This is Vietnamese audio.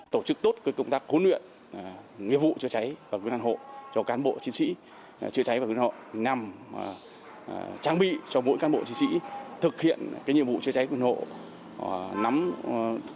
tổ chức tốt công tác huấn luyện nhiệm vụ chữa cháy và cứu nạn hộ cho cán bộ chiến sĩ chữa cháy và cứu nạn hộ nằm trang bị cho mỗi cán bộ chiến sĩ thực hiện nhiệm vụ chữa cháy và cứu nạn hộ